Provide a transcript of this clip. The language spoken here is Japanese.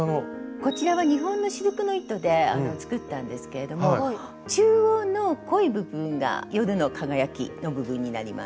こちらは日本のシルクの糸で作ったんですけれども中央の濃い部分が夜の輝きの部分になります。